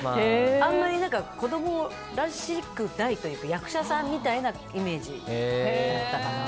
あんまり子供らしくないというか役者さんみたいなイメージだったかな。